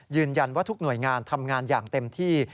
ยืนยันว่าทุกหน่วยงานทำงานอย่างเต็มที่